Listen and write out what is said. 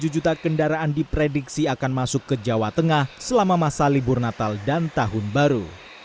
tujuh juta kendaraan diprediksi akan masuk ke jawa tengah selama masa libur natal dan tahun baru